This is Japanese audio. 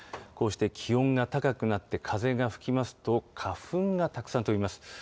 こうして気温が高くなって風が吹きますと、花粉がたくさん飛びます。